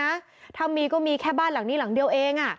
มีปัญหากับใครเลยนะถ้ามีก็มีแค่บ้านหลังนี้หลังเดียวเอง